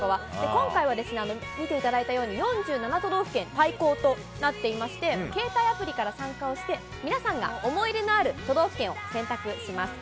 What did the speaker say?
今回は、見ていただいたように４７都道府県対抗となっていまして、携帯アプリから参加をして、皆さんが思い入れのある都道府県を選択します。